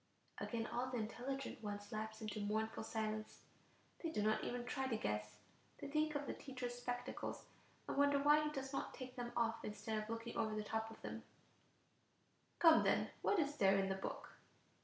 Again all the intelligent ones lapse into mournful silence; they do not even try to guess; they think of the teacher's spectacles, and wonder why he does not take them off instead of looking over the top of them: "Come then; what is there in the book?"